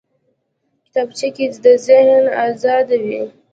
کتابچه کې ذهن ازاد وي